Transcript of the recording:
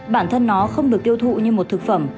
bản thân nó không được tiêu thụ như một thực phẩm